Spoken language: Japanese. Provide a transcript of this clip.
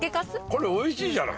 これおいしいじゃない！